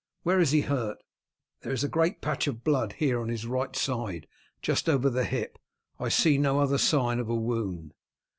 "Where is he hurt?" "There is a great patch of blood here on his right side just over the hip. I see no other sign of a wound."